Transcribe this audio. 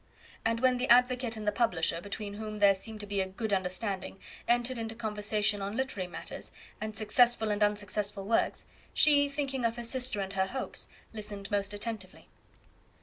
And when the advocate and the publisher, between whom there seemed to be a good understanding, entered into conversation on literary matters, and successful and unsuccessful works, she, thinking of her sister and her hopes, listened most attentively.